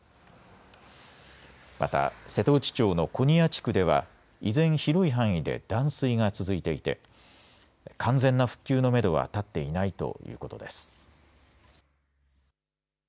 また瀬戸内町の古仁屋地区では依然、広い範囲で断水が続いていて完全な復旧のめどは立っていないということです。